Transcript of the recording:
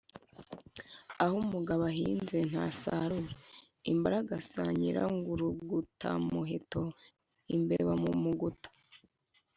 Aho umugabo ahinze ntasarura-Imbaragasa. Nyirankurugutamuheto-Imbeba mu muguta.